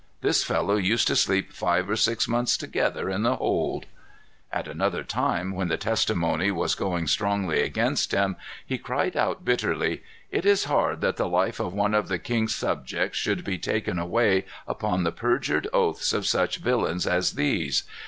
This fellow used to sleep five or six months together in the hold." At another time, when the testimony was going strongly against him, he cried out bitterly: "It is hard that the life of one of the king's subjects should be taken away upon the perjured oaths of such villains as these.